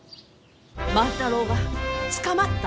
万太郎が捕まった？